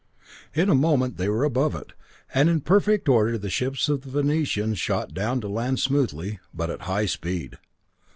In a moment they were above it, and in perfect order the ships of the Venerians shot down to land smoothly, but at high speed.